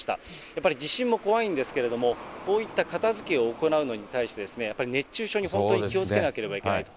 やっぱり地震も怖いんですけど、こういった片づけを行うのに対して、やっぱり熱中症に本当に気をつけなければいけないと。